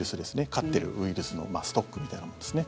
飼ってるウイルスのストックみたいなものですね。